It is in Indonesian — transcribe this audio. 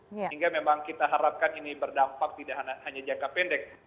sehingga memang kita harapkan ini berdampak tidak hanya jangka pendek